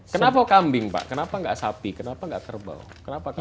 kenapa kambing pak kenapa enggak sapi kenapa enggak kerbau kenapa kambing